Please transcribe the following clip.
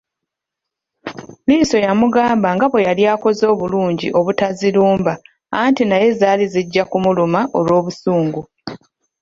Liiso yamugamba nga bwe yali akoze obulungi obutazirumba anti naye zaali zijja kumuluma olw’obusungu.